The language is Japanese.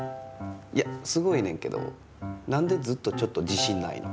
いやすごいねんけどなんでずっとちょっと自しんないの？